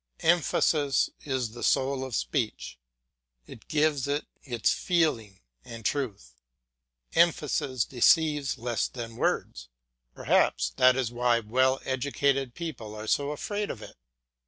Emphasis is the soul of speech, it gives it its feeling and truth. Emphasis deceives less than words; perhaps that is why well educated people are so afraid of it.